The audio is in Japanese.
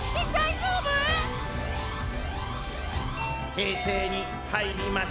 平成にはいります。